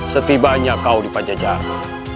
setibanya kau di panjajaran